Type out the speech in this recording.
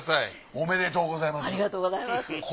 ありがとうございます。